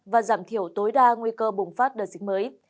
và giảm thiểu tối đa nguy cơ bùng phát đợt dịch mới